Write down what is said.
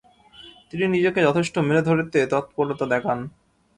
তিনি নিজেকে যথেষ্ট মেলে ধরতে তৎপরতা দেখান।